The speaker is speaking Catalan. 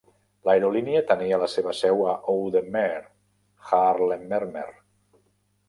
L'aerolínia tenia la seva seu a Oude Meer, Haarlemmermeer.